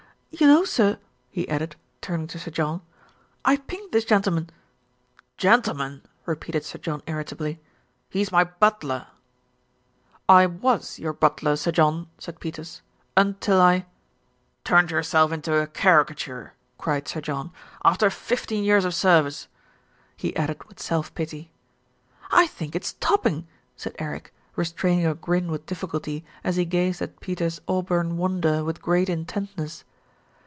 "You know, sir," he added, turning to Sir John, "I pinked this gentleman " "Gentleman !" repeated Sir John irritably, "he's my butler." "I was your butler, Sir John," said Peters, "un til I" "Turned yourself into a caricature," cried Sir John, "after fifteen years' service," he added with self pity. "I think it's topping," said Eric, restraining a grin with difficulty, as he gazed at Peters' auburn wonder with great intentness.